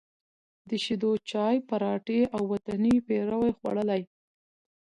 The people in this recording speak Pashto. د شېدو چای، پراټې او وطني پېروی خوړلی،